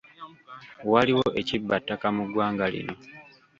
Waliwo ekibba ttaka mu ggwanga lino.